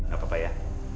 gak apa apa ya